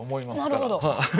なるほど！